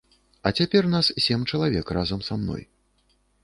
А цяпер нас сем чалавек разам са мной.